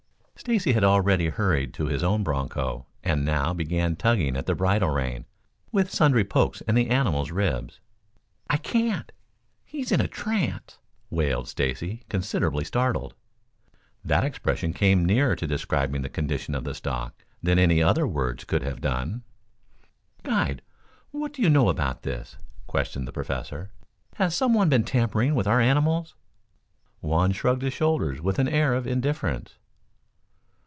Stacy had already hurried to his own broncho, and now began tugging at the bridle rein, with sundry pokes in the animal's ribs. "I can't. He's in a trance," wailed Stacy, considerably startled. That expression came nearer to describing the condition of the stock than any other words could have done. "Guide, what do you know about this?" questioned the Professor. "Has some one been tampering with our animals?" Juan shrugged his shoulders with an air of indifference.